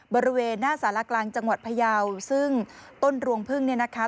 บริเวณหน้าสารกลางจังหวัดพยาวซึ่งต้นรวงพึ่งเนี่ยนะคะ